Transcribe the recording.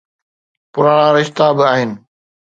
پراڻا رشتا به آهن.